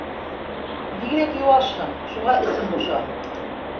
Бигерәк йыуашһың шуға эсем боша.